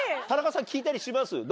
田中さん聞いたりします？